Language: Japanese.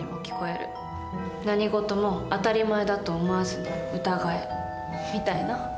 「何事も当たり前だと思わずに疑え」みたいな。